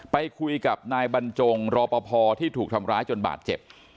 ไปคุยกับนายบรรจงรอปภที่ถูกทำร้ายจนบาดเจ็บ